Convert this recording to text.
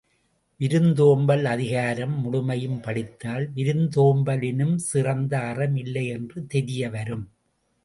விருந்தோம்பல் அதிகாரம் முழுமையும் படித்தால் விருந்தோம்பலினும் சிறந்த அறம் இல்லை என்று தெரிய வரும்.